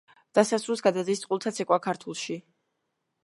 დასასრულს გადადის წყვილთა ცეკვა „ქართულში“.